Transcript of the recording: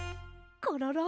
コロロ！